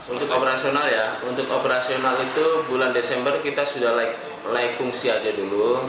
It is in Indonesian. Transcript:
untuk operasional ya untuk operasional itu bulan desember kita sudah mulai fungsi aja dulu